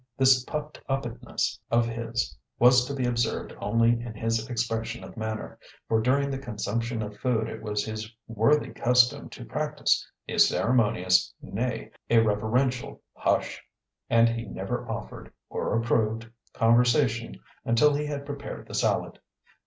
This puffed uppedness of his was to be observed only in his expression of manner, for during the consumption of food it was his worthy custom to practise a ceremonious, nay, a reverential, hush, and he never offered (or approved) conversation until he had prepared the salad.